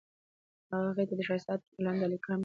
هغه هغې ته د ښایسته عطر ګلان ډالۍ هم کړل.